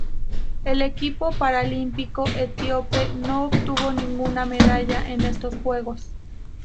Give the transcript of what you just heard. El equipo paralímpico etíope no obtuvo ninguna medalla en estos Juegos.